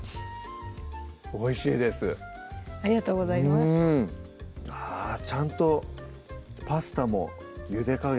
おいしいですありがとうございますちゃんとパスタもゆで加減